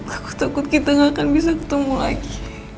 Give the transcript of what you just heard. aku takut kita gak akan bisa ketemu lagi